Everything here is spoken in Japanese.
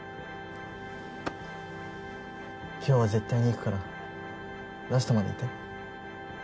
今日は絶対に行くからラストまでいて？